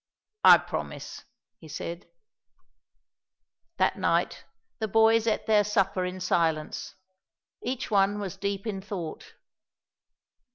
"I promise," he said. That night the boys ate their supper in silence. Each one was deep in thought.